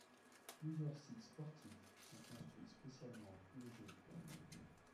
Plusieurs sites sportifs sont construits spécialement pour les Jeux.